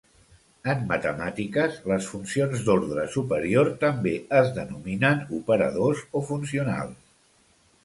En matemàtiques, les funcions d'ordre superior també es denominen "operadors" o "funcionals".